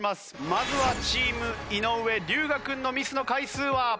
まずはチーム井上龍我君のミスの回数は。